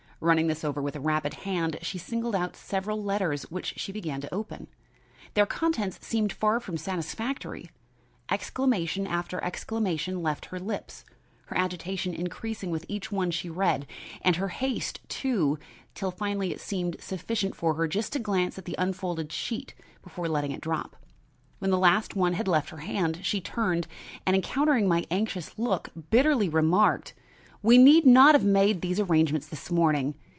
Running this over with a rapid hand, she singled out several letters which she began to open. Their contents seemed far from satisfactory. Exclamation after exclamation left her lips, her agitation increasing with each one she read, and her haste, too, till finally it seemed sufficient for her just to glance at the unfolded sheet before letting it drop. When the last one had left her hand, she turned and, encountering my anxious look, bitterly remarked: "We need not have made those arrangements this morning.